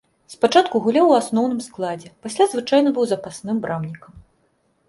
Спачатку гуляў у асноўным складзе, пасля звычайна быў запасным брамнікам.